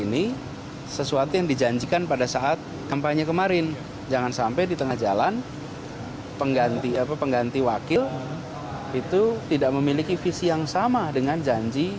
repot nanti kita mengerjakannya